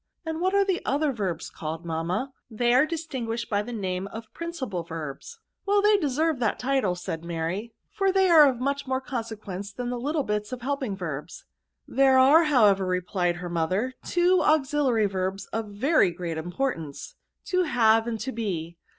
^'And what are the other verba called, mamma? ' They are distinguished by the name of principal verbs." VERBS. 351 €t Well they deserve that title/' said Mary; *' for they are of much more consequence than the little bits of helping verbs." " There are, however, replied her mother, two auxiliary verbs of very great import ance ; to have and to be.